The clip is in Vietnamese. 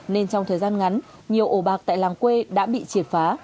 nên trong thời gian ngắn nhiều ổ bạc tại làng quê đã bị triệt phá